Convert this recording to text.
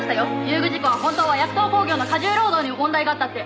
遊具事故は本当はヤクトー工業の過重労働に問題があったって」